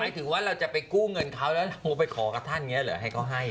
ถึงว่าเราจะไปกู้เงินเขาแล้วเราไปขอกับท่านอย่างนี้เหรอให้เขาให้